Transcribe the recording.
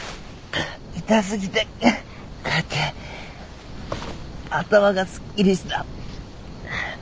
痛すぎてかえって頭がすっきりした。